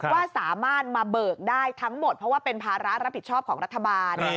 ว่าสามารถมาเบิกได้ทั้งหมดเพราะว่าเป็นภาระรับผิดชอบของรัฐบาล